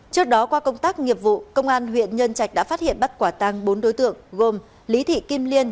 trước đó qua công tác nghiệp vụ công an huyện nhân trạch đã phát hiện bắt quả tăng bốn đối tượng gồm lý thị kim liên